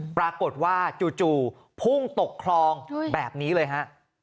ปรากฏว่าจู่พุ่งตกคลองแบบนี้เลยฮะ